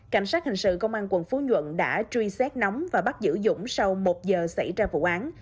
cảnh sát hình sự công an quận phú nhuận đã truy xét nóng và bắt giữ dũng sau một giờ xảy ra vụ án